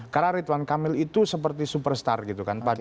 karena ridwan kamil itu seperti superstar gitu kan